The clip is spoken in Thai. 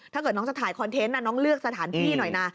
ถ้าเกิดน้องจะถ่ายคอนเทนต์น้องเลือกสถานที่หน่อยนะ